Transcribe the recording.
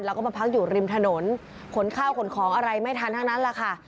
แล้วก็มาพักอยู่ริมถนนขนข้าวขนของอะไรไม่ทันทั้งนั้นแหละค่ะ